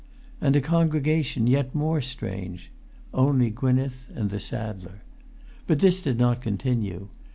And a congregation yet more strange—only Gwynneth and the saddler. But this did not continue.